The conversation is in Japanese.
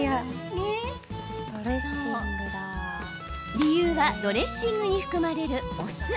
理由はドレッシングに含まれる、お酢。